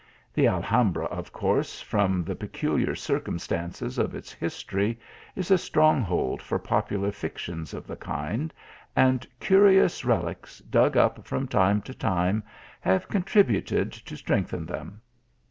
The Alhambra, of course, from the peculiar circum stances of its history, is a strong hold for popular fic tions of the kind, and curious reliques, dug up from time to time, have contributed to strengthen them.